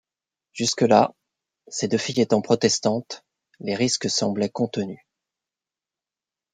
Jusque-là, ses deux filles étant protestantes, les risques semblaient contenus.